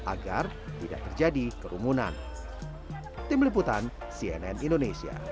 agar tidak terjadi kerumunan